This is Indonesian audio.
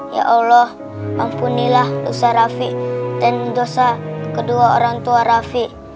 ya allah mampunilah dosa rafiq dan dosa kedua orang tua rafiq